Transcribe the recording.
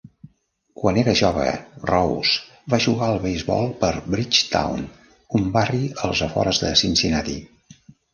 Quan era jove, Rose va jugar al beisbol per Bridgetown, un barri als afores de Cincinnati.